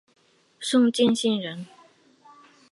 宋敬舆人。